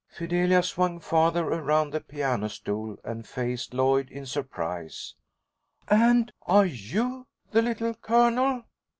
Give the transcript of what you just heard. Fidelia swung farther around on the piano stool, and faced Lloyd in surprise. "And are you the Little Colonel!"